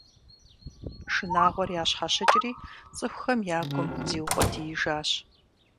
Шынагъуэр ящхьэщыкӀри, цӀыхухэм я гум зиукъуэдиижащ.